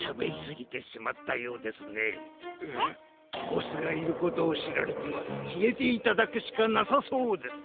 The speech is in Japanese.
ボスがいることをしられてはきえていただくしかなさそうです。